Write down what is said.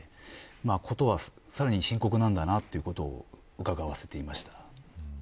事はさらに深刻なんだなということをうかがわせていました。